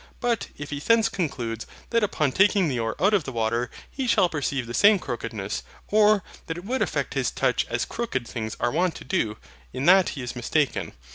But if he thence conclude that upon taking the oar out of the water he shall perceive the same crookedness; or that it would affect his touch as crooked things are wont to do: in that he is mistaken.